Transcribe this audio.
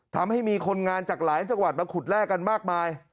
ทำให้มีคนงานจากหลายจังหวัดมาขุดแลกกันมากมาย